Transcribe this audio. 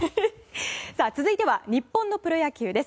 続いては、日本のプロ野球です。